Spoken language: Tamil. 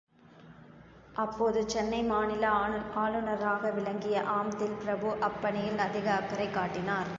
அப்போது சென்னை மாநில ஆளுநராக விளங்கிய ஆம்ப்தில் பிரபு அப் பணியில் அதிக அக்கறை காட்டினார்.